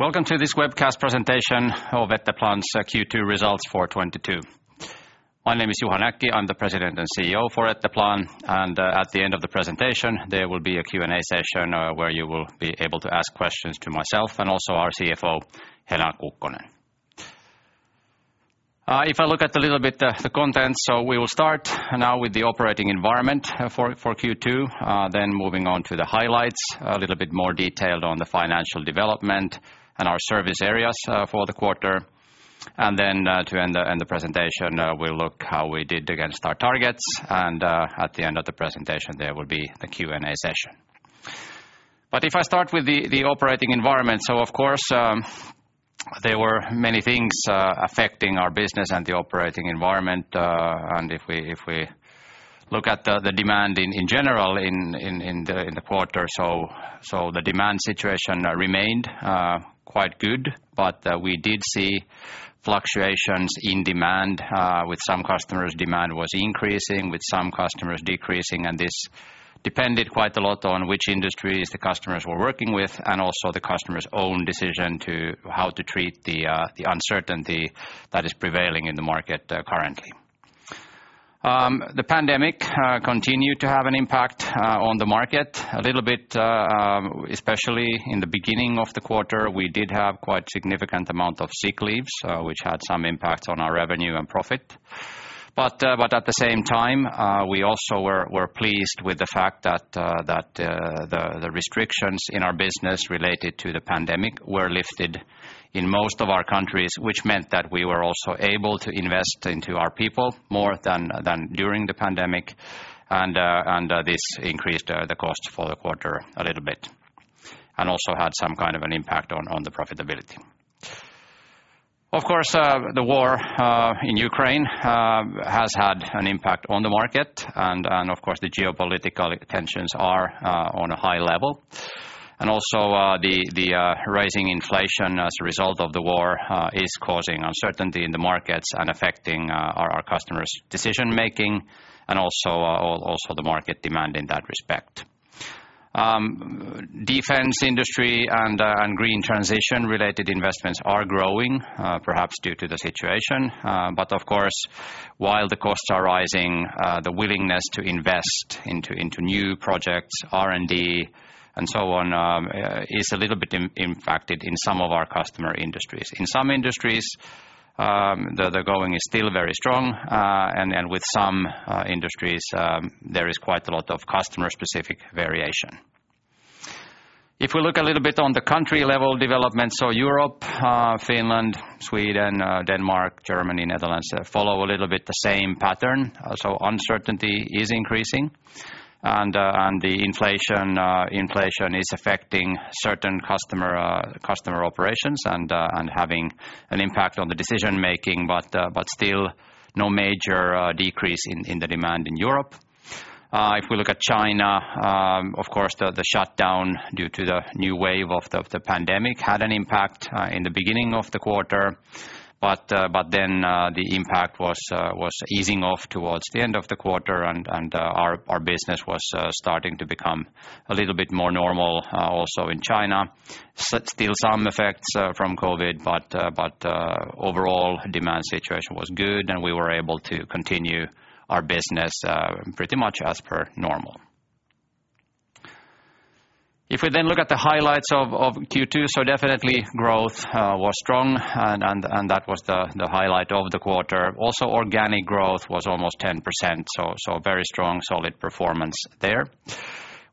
Welcome to this webcast presentation of Etteplan's Q2 results for 2022. My name is Juha Näkki. I'm the President and CEO for Etteplan, and at the end of the presentation, there will be a Q&A session where you will be able to ask questions to myself and also our CFO, Helena Kukkonen. If I look at a little bit the content, we will start now with the operating environment for Q2, then moving on to the highlights, a little bit more detailed on the financial development and our service areas for the quarter. Then to end the presentation, we'll look how we did against our targets. At the end of the presentation, there will be a Q&A session. If I start with the operating environment. Of course, there were many things affecting our business and the operating environment. If we look at the demand in general in the quarter, the demand situation remained quite good. We did see fluctuations in demand with some customers, demand was increasing, with some customers decreasing, and this depended quite a lot on which industries the customers were working with and also the customer's own decision how to treat the uncertainty that is prevailing in the market currently. The pandemic continued to have an impact on the market. A little bit, especially in the beginning of the quarter, we did have quite significant amount of sick leaves, which had some impact on our revenue and profit. At the same time, we also were pleased with the fact that the restrictions in our business related to the pandemic were lifted in most of our countries, which meant that we were also able to invest into our people more than during the pandemic. this increased the cost for the quarter a little bit, and also had some kind of an impact on the profitability. Of course, the war in Ukraine has had an impact on the market and of course, the geopolitical tensions are on a high level. also, the rising inflation as a result of the war is causing uncertainty in the markets and affecting our customers' decision-making and also the market demand in that respect. Defense industry and green transition-related investments are growing, perhaps due to the situation. Of course, while the costs are rising, the willingness to invest into new projects, R&D and so on, is a little bit impacted in some of our customer industries. In some industries, the going is still very strong. With some industries, there is quite a lot of customer-specific variation. If we look a little bit on the country-level development, so Europe, Finland, Sweden, Denmark, Germany, Netherlands, follow a little bit the same pattern. Uncertainty is increasing. The inflation is affecting certain customer operations and having an impact on the decision-making, but still no major decrease in the demand in Europe. If we look at China, of course, the shutdown due to the new wave of the pandemic had an impact in the beginning of the quarter. The impact was easing off towards the end of the quarter, and our business was starting to become a little bit more normal also in China. Still some effects from COVID, but overall demand situation was good, and we were able to continue our business pretty much as per normal. If we look at the highlights of Q2, definitely growth was strong and that was the highlight of the quarter. Also, organic growth was almost 10%, very strong, solid performance there.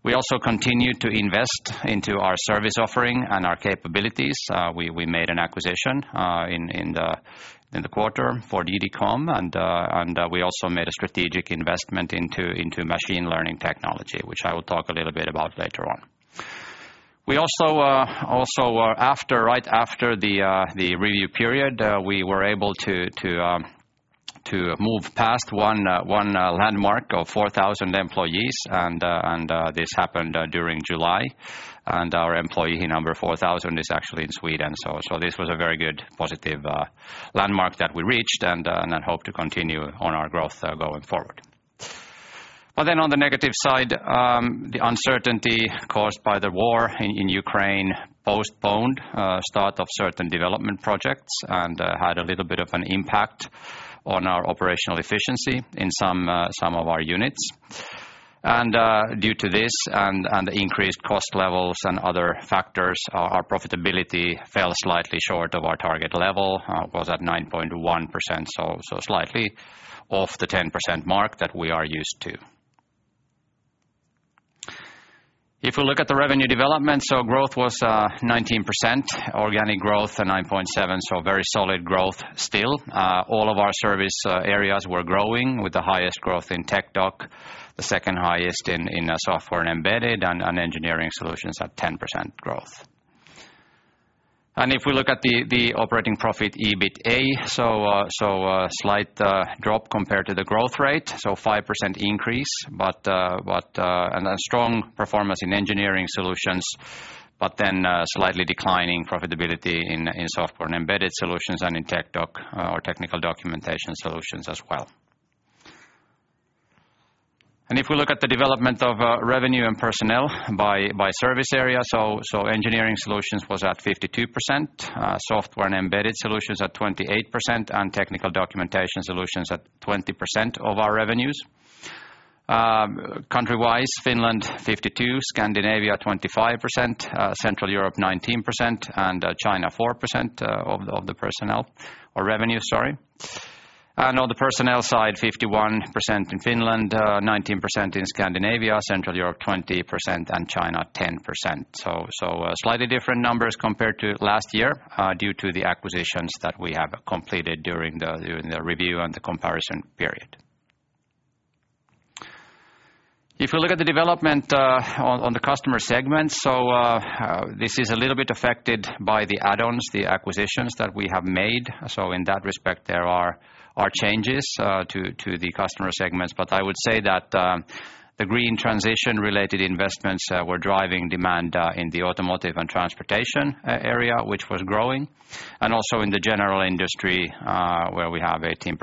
We also continued to invest into our service offering and our capabilities. We made an acquisition in the quarter for DDCom, and we also made a strategic investment into machine learning technology, which I will talk a little bit about later on. We also, after right after the review period, we were able to move past one landmark of 4,000 employees, and this happened during July. Our employee number 4,000 is actually in Sweden. This was a very good positive landmark that we reached, and then hope to continue on our growth going forward. On the negative side, the uncertainty caused by the war in Ukraine postponed start of certain development projects and had a little bit of an impact on our operational efficiency in some of our units. Due to this and increased cost levels and other factors, our profitability fell slightly short of our target level. Was at 9.1%, so slightly off the 10% mark that we are used to. If we look at the revenue development, so growth was 19%, organic growth at 9.7%, so very solid growth still. All of our service areas were growing with the highest growth in TechDoc, the second highest in software and embedded and engineering solutions at 10% growth. If we look at the operating profit, EBITA, slight drop compared to the growth rate, 5% increase, a strong performance in Engineering Solutions, but then slightly declining profitability in software and embedded solutions and in TechDoc, or Technical Communication Solutions as well. If we look at the development of revenue and personnel by service area, engineering solutions was at 52%, software and embedded solutions at 28%, and Technical Communication Solutions at 20% of our revenues. Country-wise, Finland 52%, Scandinavia 25%, Central Europe 19%, and China 4% of the personnel or revenue, sorry. On the personnel side, 51% in Finland, 19% in Scandinavia, Central Europe 20%, and China 10%. Slightly different numbers compared to last year due to the acquisitions that we have completed during the review and the comparison period. If we look at the development on the customer segments, this is a little bit affected by the add-ons, the acquisitions that we have made. In that respect, there are changes to the customer segments. I would say that the green transition-related investments were driving demand in the automotive and transportation area, which was growing, and also in the general industry where we have 18%.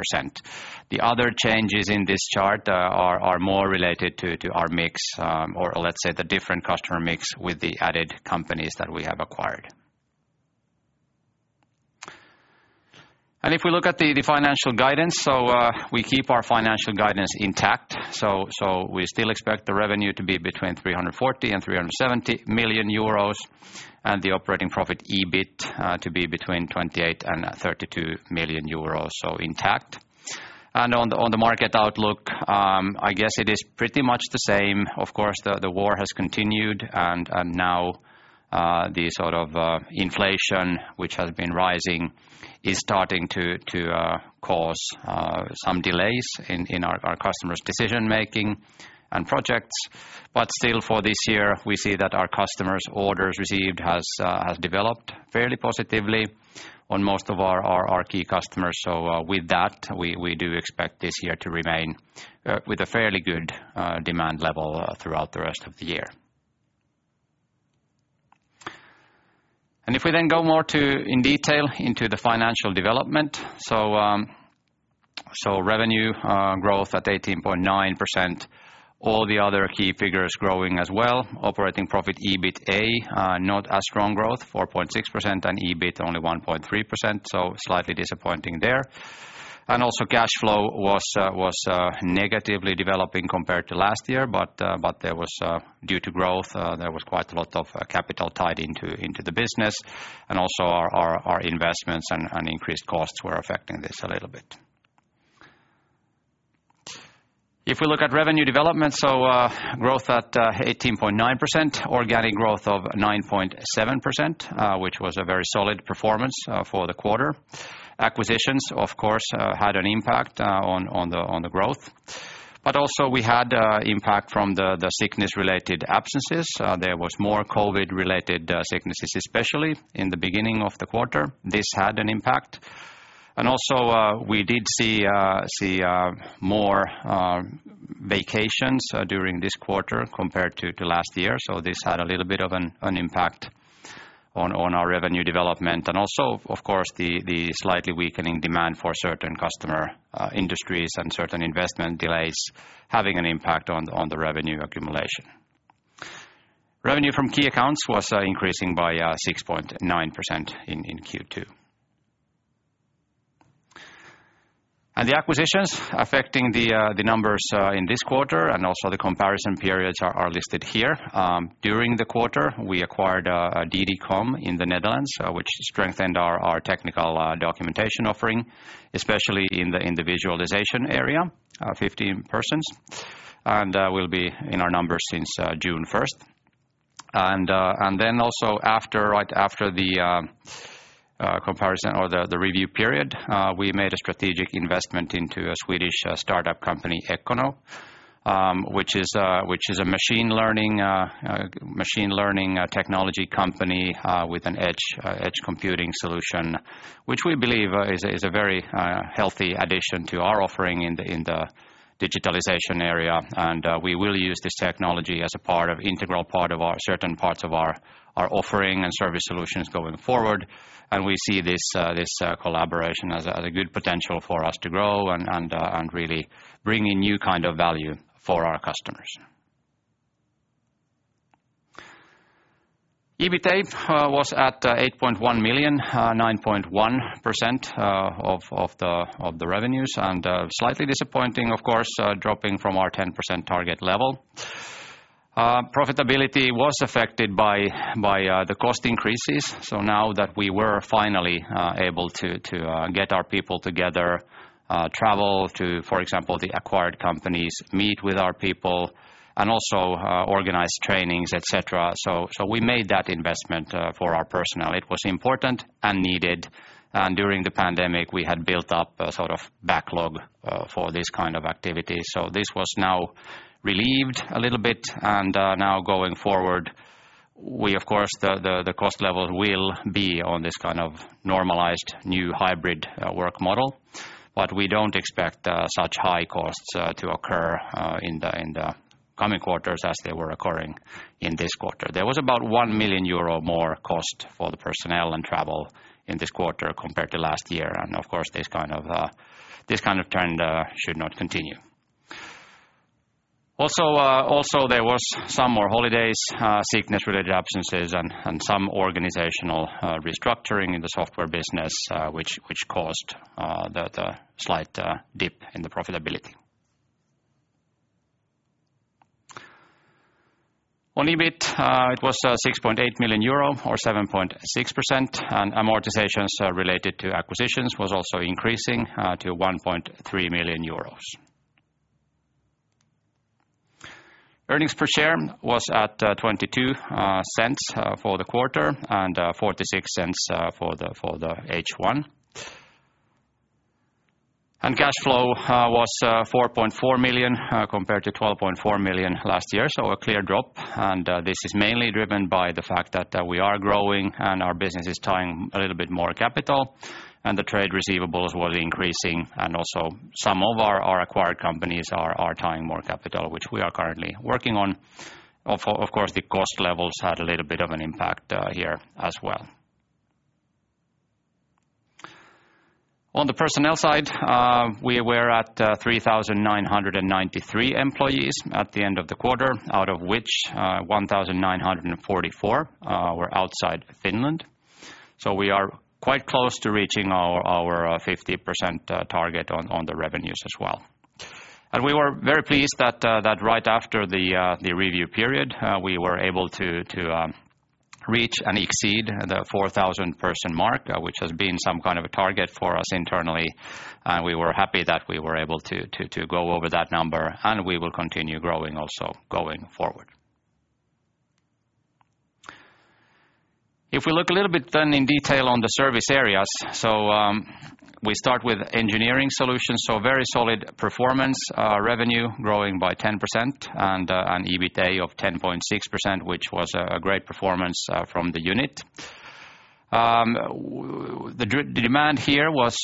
The other changes in this chart are more related to our mix, or let's say the different customer mix with the added companies that we have acquired. If we look at the financial guidance, we keep our financial guidance intact. We still expect the revenue to be between 340 million and 370 million euros, and the operating profit EBIT to be between 28 million and 32 million euros, intact. On the market outlook, I guess it is pretty much the same. Of course, the war has continued and now the sort of inflation which has been rising is starting to cause some delays in our customers' decision-making and projects. Still for this year, we see that our customers' orders received has developed fairly positively on most of our key customers. With that, we do expect this year to remain with a fairly good demand level throughout the rest of the year. If we then go more in detail into the financial development. Revenue growth at 18.9%, all the other key figures growing as well. Operating profit EBITA not as strong growth, 4.6%, and EBIT only 1.3%, so slightly disappointing there. Cash flow was negatively developing compared to last year, but due to growth there was quite a lot of capital tied into the business. Our investments and increased costs were affecting this a little bit. If we look at revenue development, growth at 18.9%, organic growth of 9.7%, which was a very solid performance for the quarter. Acquisitions, of course, had an impact on the growth. We had impact from the sickness-related absences. There was more COVID-related sicknesses, especially in the beginning of the quarter. This had an impact. We did see more vacations during this quarter compared to last year. This had a little bit of an impact on our revenue development. Also, of course, the slightly weakening demand for certain customer industries and certain investment delays having an impact on the revenue accumulation. Revenue from key accounts was increasing by 6.9% in Q2. The acquisitions affecting the numbers in this quarter and also the comparison periods are listed here. During the quarter, we acquired DDCom in the Netherlands, which strengthened our technical documentation offering, especially in the individualization area, 15 persons, and will be in our numbers since June 1st. Then also after, right after the comparison or the review period, we made a strategic investment into a Swedish startup company, Ekkono, which is a machine learning technology company with an edge computing solution, which we believe is a very healthy addition to our offering in the digitalization area. We will use this technology as an integral part of certain parts of our offering and service solutions going forward. We see this collaboration as a good potential for us to grow and really bring in new kind of value for our customers. EBITA was at 8.1 million, 9.1% of the revenues, and slightly disappointing, of course, dropping from our 10% target level. Profitability was affected by the cost increases. Now that we were finally able to get our people together, travel to, for example, the acquired companies, meet with our people, and also organize trainings, et cetera. We made that investment for our personnel. It was important and needed. During the pandemic, we had built up a sort of backlog for this kind of activity. This was now relieved a little bit. Now going forward, we, of course, the cost level will be on this kind of normalized new hybrid work model, but we don't expect such high costs to occur in the coming quarters as they were occurring in this quarter. There was about 1 million euro more cost for the personnel and travel in this quarter compared to last year. Of course, this kind of trend should not continue. Also, there was some more holidays, sickness-related absences, and some organizational restructuring in the software business, which caused the slight dip in the profitability. On EBIT, it was 6.8 million euro or 7.6%, and amortizations related to acquisitions was also increasing to 1.3 million euros. Earnings per share was at 0.22 for the quarter and 0.46 for the H1. Cash flow was 4.4 million compared to 12.4 million last year, so a clear drop. This is mainly driven by the fact that we are growing and our business is tying a little bit more capital and the trade receivables were increasing and also some of our acquired companies are tying more capital, which we are currently working on. Of course, the cost levels had a little bit of an impact here as well. On the personnel side, we were at 3,993 employees at the end of the quarter, out of which 1,944 were outside Finland. We are quite close to reaching our 50% target on the revenues as well. We were very pleased that right after the review period, we were able to reach and exceed the 4,000-person mark, which has been some kind of a target for us internally. We were happy that we were able to go over that number, and we will continue growing also going forward. If we look a little bit then in detail on the service areas. We start with Engineering Solutions, so very solid performance, revenue growing by 10% and an EBITA of 10.6%, which was a great performance from the unit. The demand here was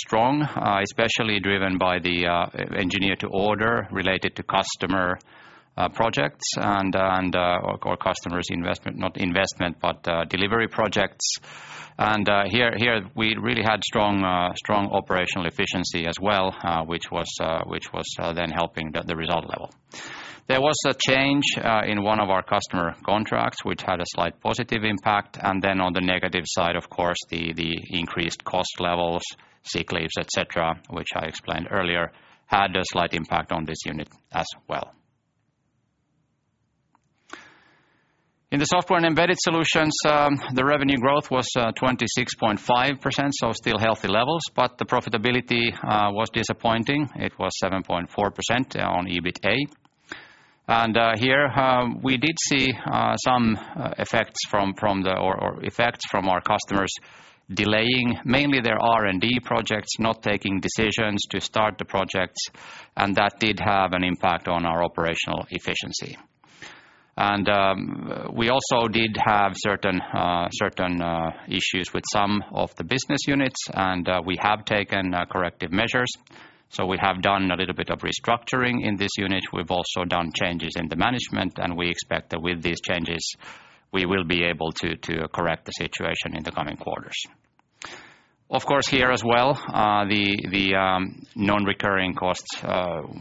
strong, especially driven by the engineer-to-order related to customer projects and customers' delivery projects. Here we really had strong operational efficiency as well, which was then helping the result level. There was a change in one of our customer contracts which had a slight positive impact. On the negative side, of course, the increased cost levels, sick leaves, et cetera, which I explained earlier, had a slight impact on this unit as well. In the Software and Embedded Solutions, the revenue growth was 26.5%, so still healthy levels, but the profitability was disappointing. It was 7.4% on EBITA. We did see some effects from our customers delaying mainly their R&D projects, not taking decisions to start the projects, and that did have an impact on our operational efficiency. we also did have certain issues with some of the business units, and we have taken corrective measures. we have done a little bit of restructuring in this unit. We've also done changes in the management, and we expect that with these changes, we will be able to correct the situation in the coming quarters. Of course, here as well, the non-recurring costs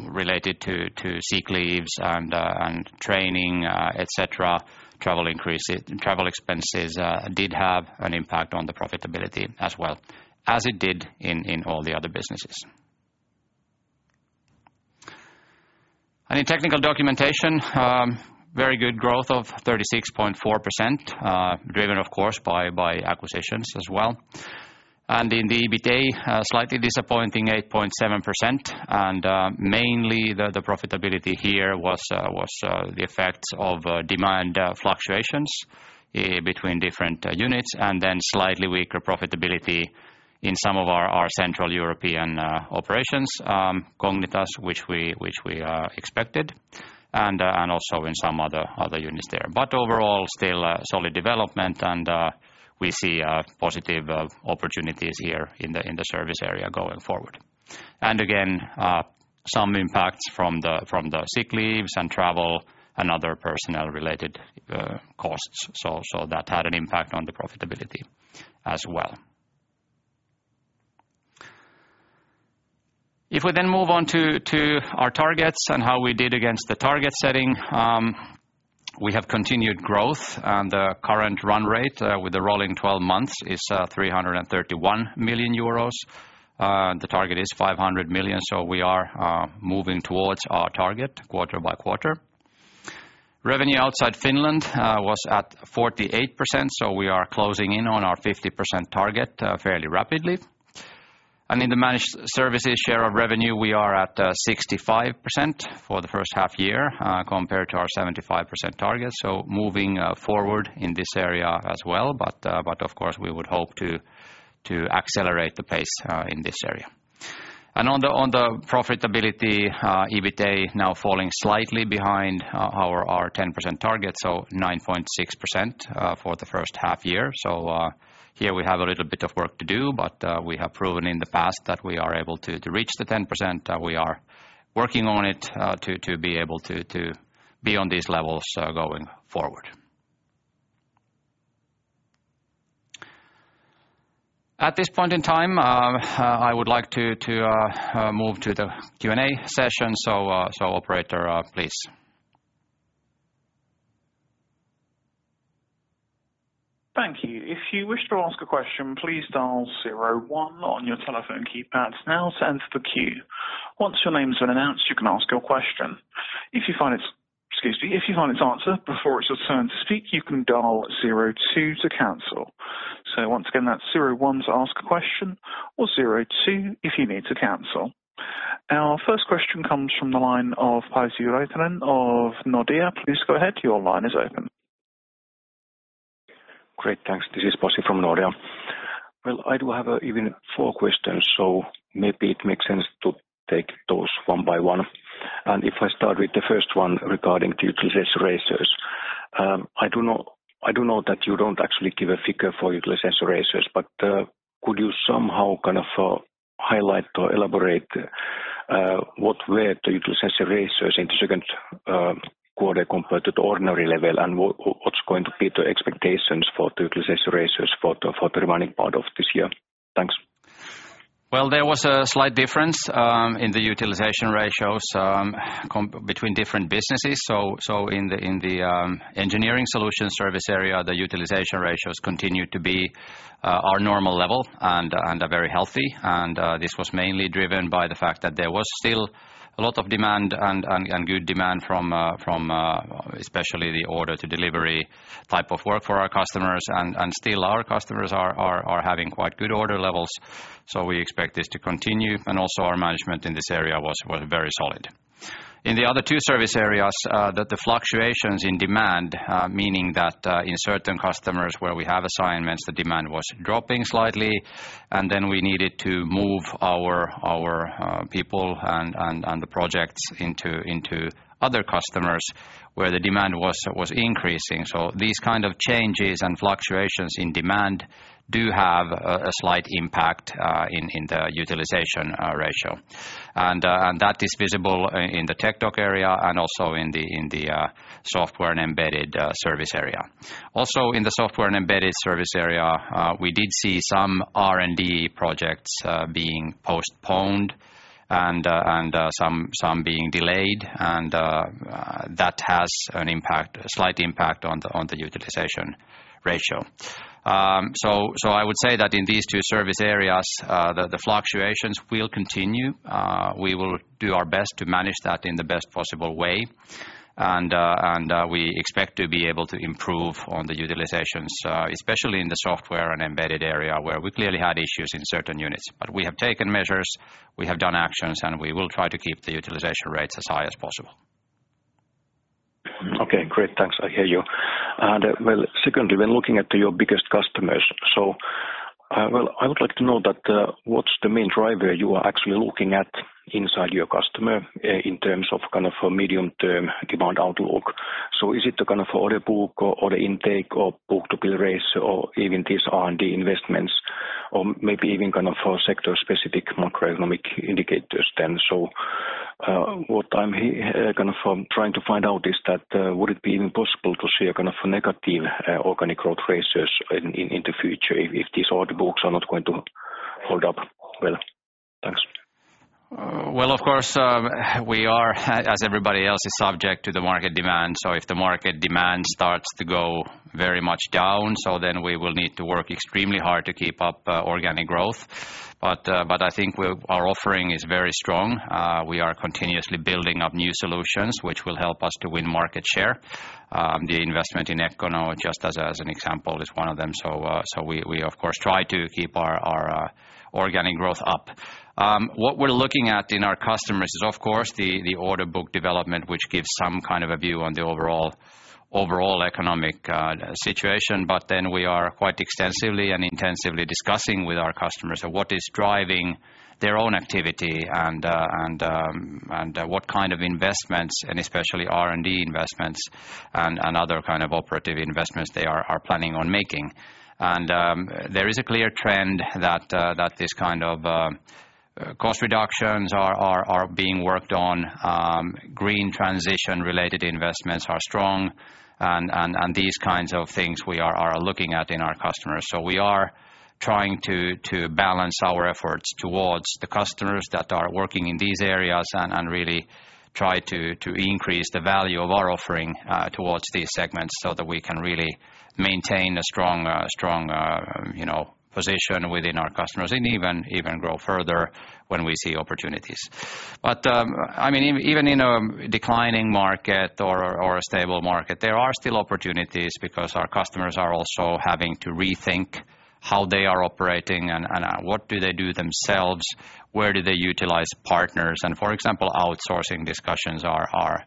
related to sick leaves and training, et cetera, travel expenses did have an impact on the profitability as well, as it did in all the other businesses. In technical documentation, very good growth of 36.4%, driven of course by acquisitions as well. In the EBITA, slightly disappointing 8.7%. Mainly, the profitability here was the effects of demand fluctuations between different units and then slightly weaker profitability in some of our Central European operations, Cognitas, which we expected, and also in some other units there. Overall, still, solid development, and we see positive opportunities here in the service area going forward. Again, some impacts from the sick leaves and travel and other personnel related costs. That had an impact on the profitability as well. If we then move on to our targets and how we did against the target setting, we have continued growth and the current run rate with the rolling 12 months is 331 million euros. The target is 500 million, so we are moving towards our target quarter by quarter. Revenue outside Finland was at 48%, so we are closing in on our 50% target fairly rapidly. In the managed services share of revenue, we are at 65% for the first half year, compared to our 75% target. Moving forward in this area as well. Of course, we would hope to accelerate the pace in this area. On the profitability, EBITA now falling slightly behind our 10% target, so 9.6% for the first half year. Here we have a little bit of work to do, but we have proven in the past that we are able to reach the 10%. We are working on it to be able to be on these levels going forward. At this point in time, I would like to move to the Q&A session. Operator, please. Thank you. If you wish to ask a question, please dial zero one on your telephone keypads now to enter the queue. Once your name's been announced, you can ask your question. If you find its answer before it's your turn to speak, you can dial zero two to cancel. So once again, that's zero one to ask a question or zero two if you need to cancel. Our first question comes from the line of Pasi Väisänen of Nordea. Please go ahead. Your line is open. Great. Thanks. This is Pasi from Nordea. Well, I do have even four questions, so maybe it makes sense to take those one by one. If I start with the first one regarding utilization ratios. I do know that you don't actually give a figure for utilization ratios, but could you somehow kind of highlight or elaborate what were the utilization ratios in the second quarter compared to the ordinary level and what's going to be the expectations for the utilization ratios for the remaining part of this year? Thanks. Well, there was a slight difference in the utilization ratios between different businesses. In the Engineering Solutions service area, the utilization ratios continued to be our normal level and are very healthy. This was mainly driven by the fact that there was still a lot of demand and good demand from especially the order to delivery type of work for our customers, and still our customers are having quite good order levels, so we expect this to continue. Our management in this area was very solid. In the other two service areas, the fluctuations in demand, meaning that, in certain customers where we have assignments, the demand was dropping slightly, and then we needed to move our people and the projects into other customers where the demand was increasing. These kind of changes and fluctuations in demand do have a slight impact in the utilization ratio. That is visible in the TechDoc area and also in the Software and Embedded service area. Also in the Software and Embedded service area, we did see some R&D projects being postponed and some being delayed. That has an impact, a slight impact on the utilization ratio. I would say that in these two service areas, the fluctuations will continue. We will do our best to manage that in the best possible way. We expect to be able to improve on the utilizations, especially in the software and embedded area where we clearly had issues in certain units. We have taken measures, we have done actions, and we will try to keep the utilization rates as high as possible. Okay, great. Thanks. I hear you. Well, secondly, when looking at your biggest customers, well, I would like to know that, what's the main driver you are actually looking at inside your customer in terms of kind of a medium-term demand outlook? Is it the kind of order book or order intake or book-to-bill ratio or even these R&D investments or maybe even kind of sector-specific macroeconomic indicators then? What I'm kind of trying to find out is that, would it be even possible to see a kind of a negative organic growth ratios in the future if these order books are not going to hold up? Well, thanks. Well, of course, we are, as everybody else, is subject to the market demand. If the market demand starts to go very much down, then we will need to work extremely hard to keep up organic growth. I think our offering is very strong. We are continuously building up new solutions, which will help us to win market share. The investment in Ekkono, just as an example, is one of them. We, of course, try to keep our organic growth up. What we're looking at in our customers is, of course, the order book development, which gives some kind of a view on the overall economic situation. We are quite extensively and intensively discussing with our customers on what is driving their own activity and what kind of investments, and especially R&D investments and other kind of operative investments they are planning on making. There is a clear trend that this kind of cost reductions are being worked on, green transition-related investments are strong, and these kinds of things we are looking at in our customers. We are trying to balance our efforts towards the customers that are working in these areas and really try to increase the value of our offering towards these segments so that we can really maintain a strong position within our customers and even grow further when we see opportunities. I mean, even in a declining market or a stable market, there are still opportunities because our customers are also having to rethink how they are operating and what do they do themselves, where do they utilize partners. For example, outsourcing discussions are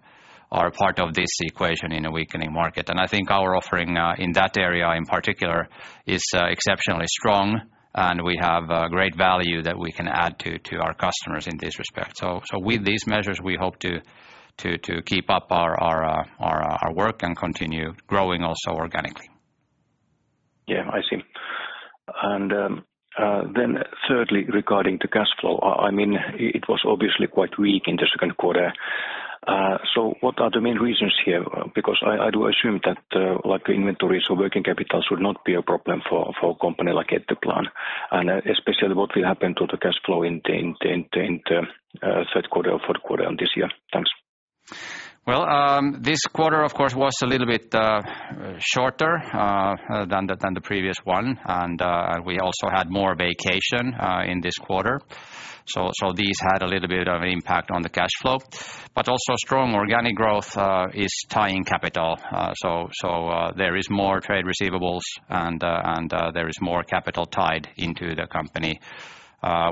part of this equation in a weakening market. I think our offering in that area in particular is exceptionally strong, and we have a great value that we can add to our customers in this respect. With these measures, we hope to keep up our work and continue growing also organically. Yeah, I see. Then thirdly, regarding the cash flow, I mean, it was obviously quite weak in the second quarter. So what are the main reasons here? Because I do assume that, like inventories or working capital should not be a problem for a company like Etteplan, and especially what will happen to the cash flow in the third quarter or fourth quarter of this year. Thanks. Well, this quarter, of course, was a little bit shorter than the previous one, and we also had more vacation in this quarter. These had a little bit of impact on the cash flow, but also strong organic growth is tying capital. There is more trade receivables and there is more capital tied into the company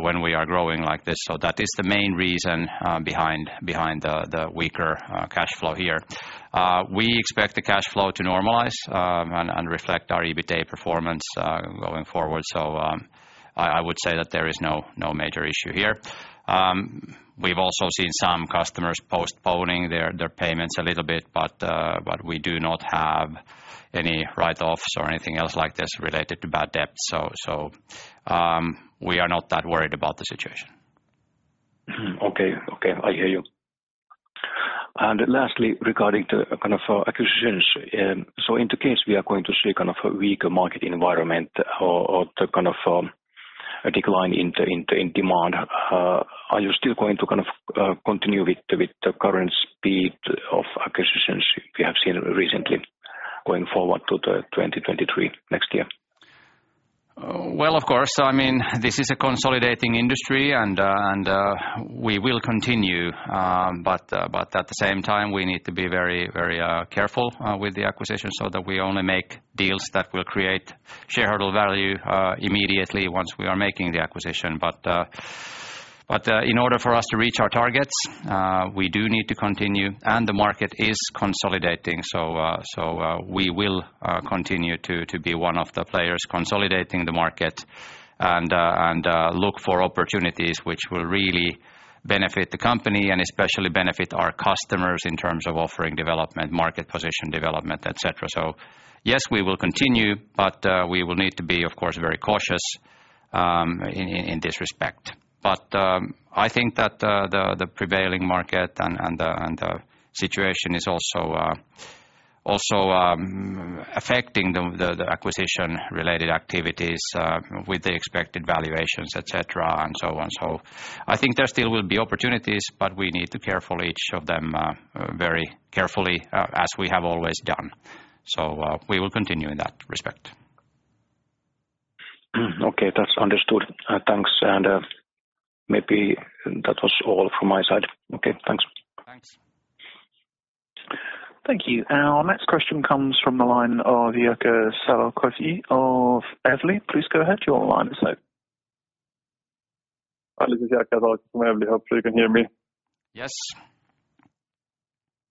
when we are growing like this. That is the main reason behind the weaker cash flow here. We expect the cash flow to normalize and reflect our EBITA performance going forward. I would say that there is no major issue here. We've also seen some customers postponing their payments a little bit, but we do not have any write-offs or anything else like this related to bad debt. We are not that worried about the situation. Okay. I hear you. Lastly, regarding the kind of acquisitions, so in the case we are going to see kind of a weaker market environment or the kind of a decline in the demand, are you still going to kind of continue with the current speed of acquisitions we have seen recently going forward to 2023 next year? Well, of course. I mean, this is a consolidating industry and we will continue, but at the same time, we need to be very careful with the acquisition so that we only make deals that will create shareholder value immediately once we are making the acquisition. In order for us to reach our targets, we do need to continue, and the market is consolidating, so we will continue to be one of the players consolidating the market and look for opportunities which will really benefit the company and especially benefit our customers in terms of offering development, market position development, et cetera. Yes, we will continue, but we will need to be, of course, very cautious in this respect. I think that the prevailing market and the situation is also affecting the acquisition related activities with the expected valuations, et cetera, and so on. I think there still will be opportunities, but we need to careful each of them very carefully as we have always done. We will continue in that respect. Okay. That's understood. Thanks. Maybe that was all from my side. Okay. Thanks. Thanks. Thank you. Our next question comes from the line of Jaakko Saarukoti of Evli. Please go ahead. Your line is open. Hi, this is Jaakko from Evli. Hopefully you can hear me. Yes.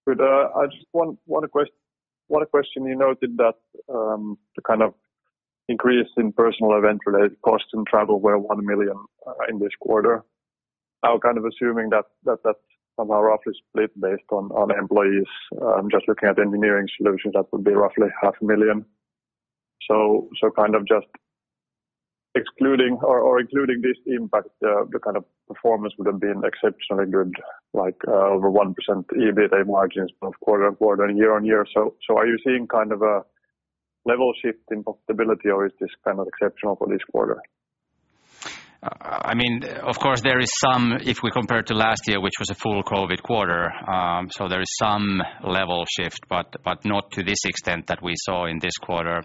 Good. I just want a question. You noted that the kind of increase in personnel event-related costs and travel were 1 million in this quarter. I'm kind of assuming that that's somehow roughly split based on employees. Just looking at Engineering Solutions, that would be roughly 500,000. Kind of just excluding or including this impact, the kind of performance would have been exceptionally good, like, over 1% EBITA margins both quarter-on-quarter and year-on-year. Are you seeing kind of a level shift in profitability, or is this kind of exceptional for this quarter? I mean, of course there is some if we compare to last year, which was a full COVID quarter, so there is some level shift, but not to this extent that we saw in this quarter.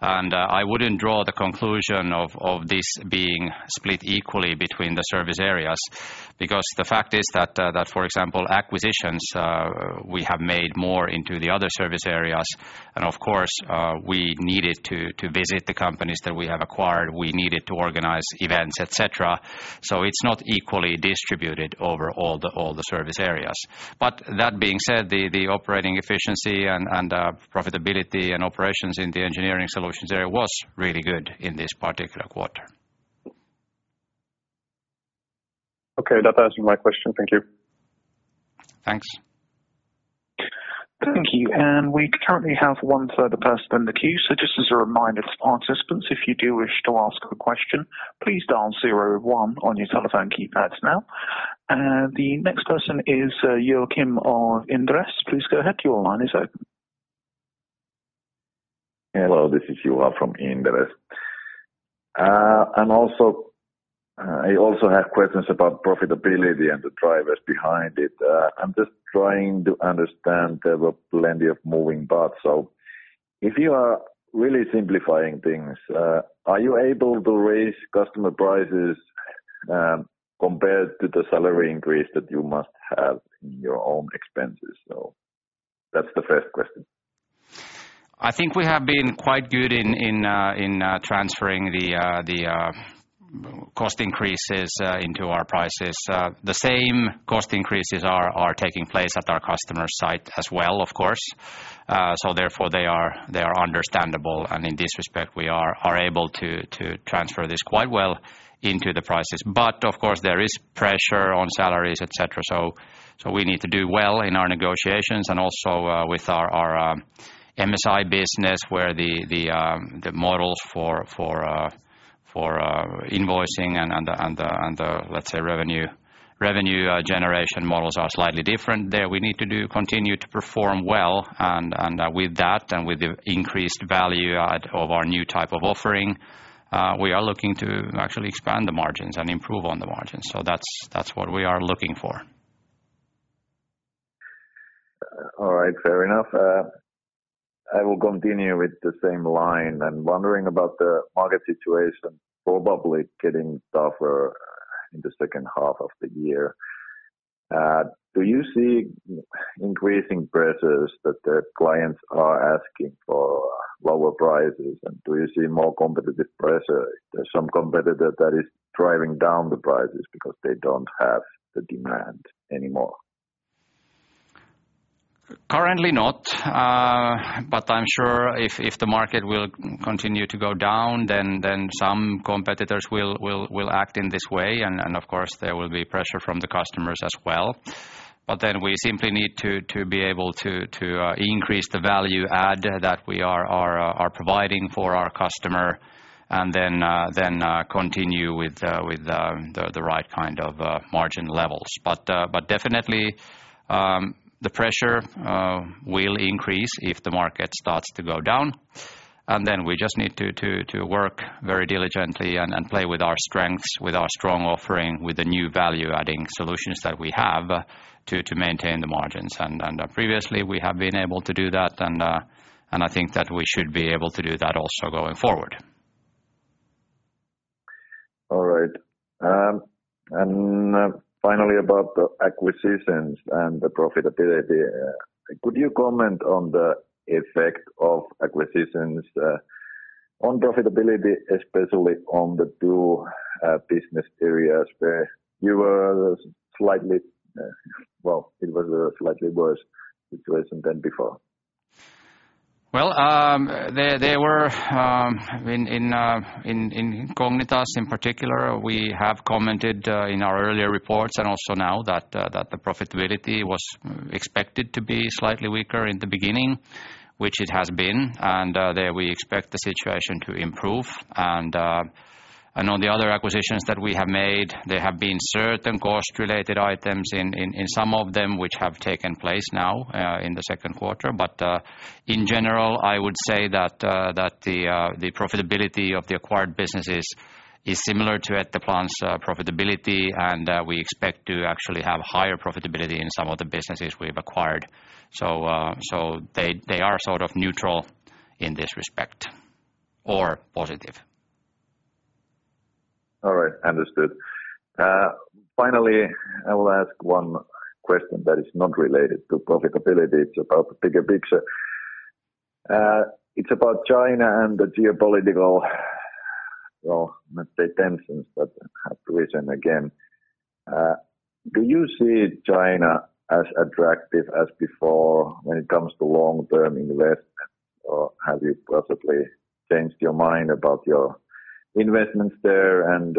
I wouldn't draw the conclusion of this being split equally between the service areas because the fact is that for example acquisitions we have made more into the other service areas and of course we needed to visit the companies that we have acquired. We needed to organize events, et cetera. It's not equally distributed over all the service areas. That being said, the operating efficiency and profitability and operations in the Engineering Solutions area was really good in this particular quarter. Okay. That answers my question. Thank you. Thanks. Thank you. We currently have one further person in the queue. Just as a reminder to participants, if you do wish to ask a question, please dial zero one on your telephone keypads now. The next person is Joakim of Inderes. Please go ahead. Your line is open. Hello, this is Joakim from Inderes. I also have questions about profitability and the drivers behind it. I'm just trying to understand there were plenty of moving parts. If you are really simplifying things, are you able to raise customer prices compared to the salary increase that you must have in your own expenses? That's the first question. I think we have been quite good in transferring the cost increases into our prices. The same cost increases are taking place at our customer site as well, of course. Therefore, they are understandable, and in this respect, we are able to transfer this quite well into the prices. Of course, there is pressure on salaries, et cetera, so we need to do well in our negotiations and also with our MSI business where the models for invoicing and the, let's say, revenue generation models are slightly different. There we need to continue to perform well and with that and with the increased value add of our new type of offering, we are looking to actually expand the margins and improve on the margins. That's what we are looking for. All right. Fair enough. I will continue with the same line. I'm wondering about the market situation probably getting tougher in the second half of the year. Do you see increasing pressures that the clients are asking for lower prices? Do you see more competitive pressure? There's some competitor that is driving down the prices because they don't have the demand anymore. Currently not. I'm sure if the market will continue to go down, then some competitors will act in this way. Of course, there will be pressure from the customers as well. Then we simply need to be able to increase the value add that we are providing for our customer, and then continue with the right kind of margin levels. Definitely, the pressure will increase if the market starts to go down. Then we just need to work very diligently and play with our strengths, with our strong offering, with the new value-adding solutions that we have to maintain the margins. Previously, we have been able to do that, and I think that we should be able to do that also going forward. All right. Finally, about the acquisitions and the profitability, could you comment on the effect of acquisitions on profitability, especially on the two business areas where it was a slightly worse situation than before. Well, there were in Cognitas in particular, we have commented in our earlier reports and also now that the profitability was expected to be slightly weaker in the beginning, which it has been, and there we expect the situation to improve. On the other acquisitions that we have made, there have been certain cost-related items in some of them which have taken place now in the second quarter. In general, I would say that the profitability of the acquired businesses is similar to Etteplan's profitability, and we expect to actually have higher profitability in some of the businesses we have acquired. They are sort of neutral in this respect, or positive. All right. Understood. Finally, I will ask one question that is not related to profitability. It's about the bigger picture. It's about China and the geopolitical, well, let's say tensions that have risen again. Do you see China as attractive as before when it comes to long-term investment? Or have you possibly changed your mind about your investments there and,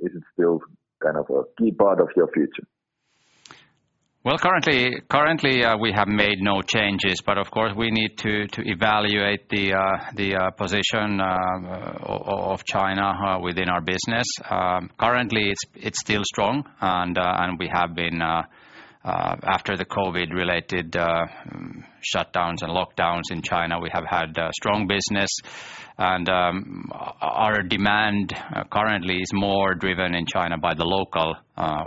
is it still kind of a key part of your future? Well, currently, we have made no changes, but of course, we need to evaluate the position of China within our business. Currently, it's still strong, and we have been after the COVID-related shutdowns and lockdowns in China, we have had a strong business. Our demand currently is more driven in China by the local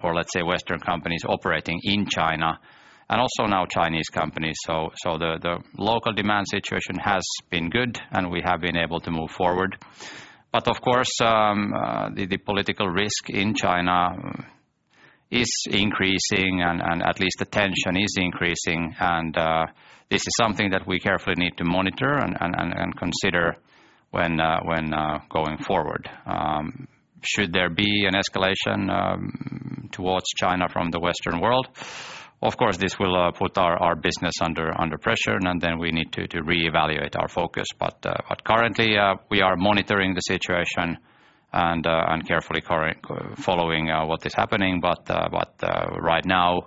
or let's say Western companies operating in China and also now Chinese companies. The local demand situation has been good, and we have been able to move forward. Of course, the political risk in China is increasing and at least the tension is increasing. This is something that we carefully need to monitor and consider when going forward. Should there be an escalation towards China from the Western world, of course, this will put our business under pressure, and then we need to reevaluate our focus. Currently, we are monitoring the situation and carefully following what is happening. Right now,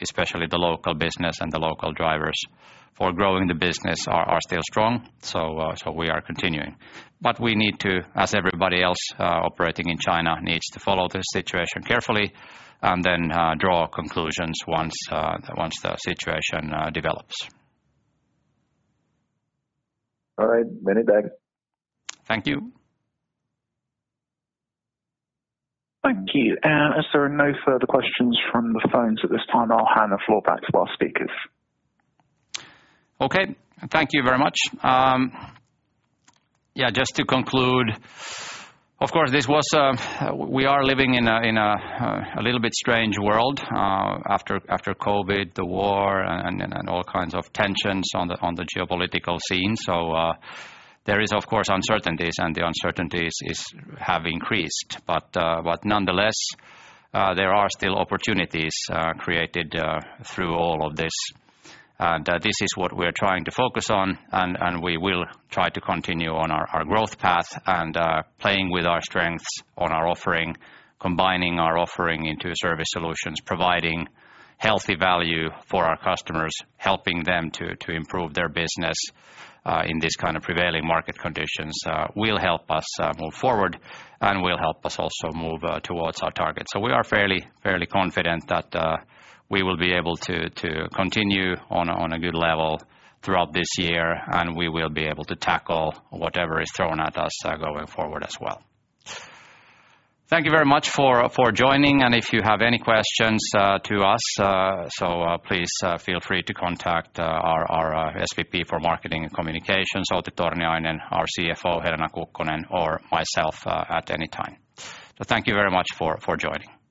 especially the local business and the local drivers for growing the business are still strong, so we are continuing. We need to, as everybody else operating in China needs to follow the situation carefully and then draw conclusions once the situation develops. All right. Many thanks. Thank you. Thank you. As there are no further questions from the phones at this time, I'll hand the floor back to our speakers. Okay. Thank you very much. Yeah, just to conclude, of course, we are living in a little bit strange world after COVID, the war and all kinds of tensions on the geopolitical scene. There is, of course, uncertainties, and the uncertainties have increased. But nonetheless, there are still opportunities created through all of this. This is what we're trying to focus on, and we will try to continue on our growth path and playing with our strengths on our offering, combining our offering into service solutions, providing healthy value for our customers, helping them to improve their business in this kind of prevailing market conditions. This will help us move forward and will help us also move towards our target. We are fairly confident that we will be able to continue on a good level throughout this year, and we will be able to tackle whatever is thrown at us going forward as well. Thank you very much for joining. If you have any questions to us, please feel free to contact our SVP for Marketing and Communications, Outi Torniainen, our CFO, Helena Kukkonen, or myself at any time. Thank you very much for joining.